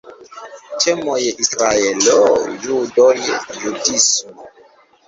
Temoj: Israelo, judoj, judismo.